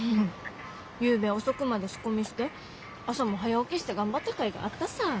ゆうべ遅くまで仕込みして朝も早起きして頑張ったかいがあったさぁ。